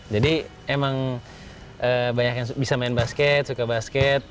jadi emang banyak yang bisa main basket suka basket